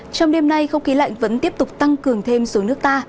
trong đêm nay không khí lạnh vẫn tiếp tục tăng cường thêm xuống nước ta